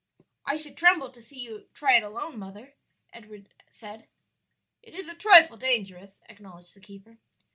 "I should tremble to see you try it alone, mother," Edward said. "It is a trifle dangerous," acknowledged the keeper.